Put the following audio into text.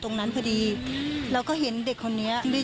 โชว์บ้านในพื้นที่เขารู้สึกยังไงกับเรื่องที่เกิดขึ้น